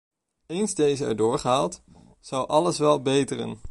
Eens deze erdoor gehaald, zou alles wel beteren.